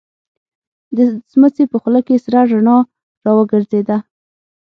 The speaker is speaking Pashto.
د سمڅې په خوله کې سره رڼا را وګرځېده.